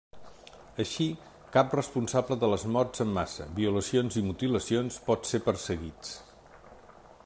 Així, cap responsable de les morts en massa, violacions i mutilacions pot ser perseguits.